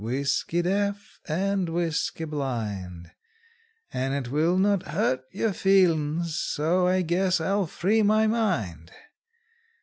Whisky deaf, and whisky blind, And it will not hurt your feelin's, so I guess I'll free my mind.